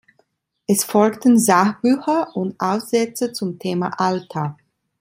Es folgten Sachbücher und Aufsätze zum Thema Alter.